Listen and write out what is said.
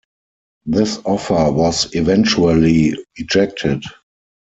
This offer was eventually rejected.